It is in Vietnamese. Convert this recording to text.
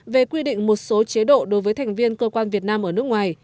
về quy định một số chế độ đối với thành viên cơ quan việt nam ở nước ngoài